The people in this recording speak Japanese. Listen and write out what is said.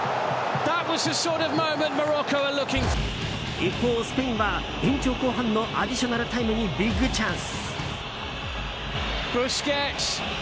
一方、スペインは延長後半のアディショナルタイムにビッグチャンス。